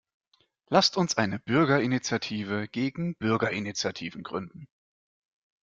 Lasst uns eine Bürgerinitiative gegen Bürgerinitiativen gründen!